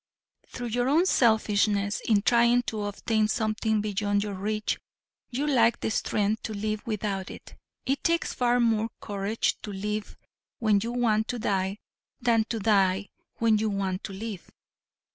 "Through your own selfishness in trying to obtain something beyond your reach, you lack the strength to live without it. It takes far more courage to live when you want to die than to die when you want to live.